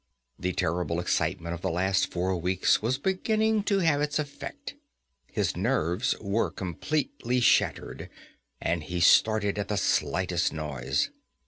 The terrible excitement of the last four weeks was beginning to have its effect. His nerves were completely shattered, and he started at the slightest noise.